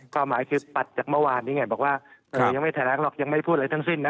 ความหมายคือตัดจากเมื่อวานนี้ไงบอกว่ายังไม่แถลงหรอกยังไม่พูดอะไรทั้งสิ้นนะ